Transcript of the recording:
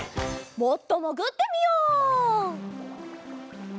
もっともぐってみよう！